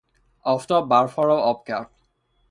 آفتاب برف ها را آب کرد.